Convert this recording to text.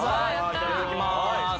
いただきます。